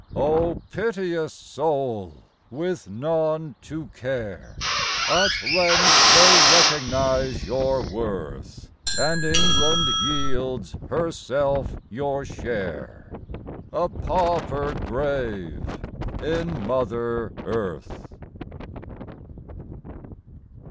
Oh piteous soul! with none to care, At length they recognize your worth; And England yields, herself, your share: A pauper grave in Mother Earth.